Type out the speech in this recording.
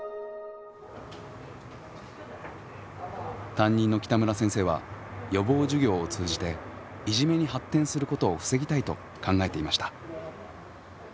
担任の北村先生は予防授業を通じていじめに発展することを防ぎたいと考えていました。